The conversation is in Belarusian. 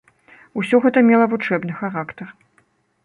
Усё гэта мела вучэбны характар.